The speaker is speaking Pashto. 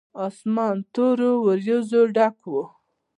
اسمان تورو وريځو ډک و.